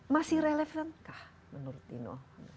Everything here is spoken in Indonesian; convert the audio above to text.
masih relevan kah menurut dino